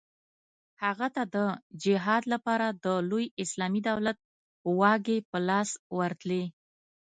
هغه ته د جهاد لپاره د لوی اسلامي دولت واګې په لاس ورتلې.